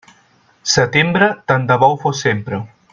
Setembre, tant de bo ho fos sempre.